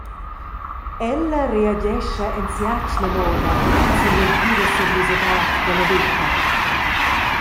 Ella reagescha en sia atgna moda sin l’entira seriusadad dalla veta.